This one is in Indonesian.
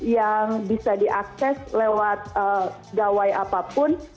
yang bisa diakses lewat gawai apapun